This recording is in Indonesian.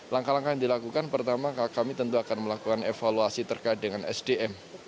langkah langkah yang dilakukan pertama kami tentu akan melakukan evaluasi terkait dengan sdm